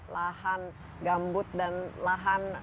lahan gambut dan lahan